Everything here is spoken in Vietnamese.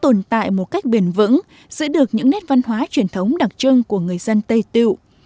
nhưng lễ hội bơi đam vẫn tồn tại một cách biển vững giữ được những nét văn hóa truyền thống đặc trưng của người dân tây tịu